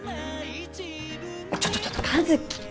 ちょっとちょっと和樹！